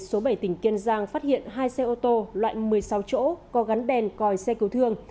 số bảy tỉnh kiên giang phát hiện hai xe ô tô loại một mươi sáu chỗ có gắn đèn còi xe cứu thương